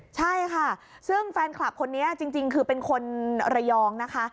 ใช่ค่ะซึ่งแฟนคลับคนนี้จริงคือเป็นคนระยองนะคะ